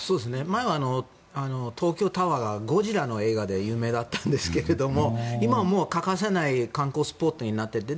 前は東京タワーが「ゴジラ」の映画で有名だったんですけれども今はもう欠かせない観光スポットになってて。